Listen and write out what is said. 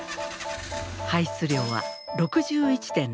排出量は６１．６ｇ。